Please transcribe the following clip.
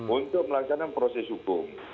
untuk melaksanakan proses hukum